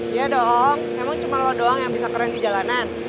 iya dong emang cuma lo doang yang bisa keren di jalanan